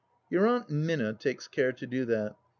Your Aunt Minna takes care to do that.